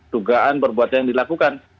dugaan perbuatan yang dilakukan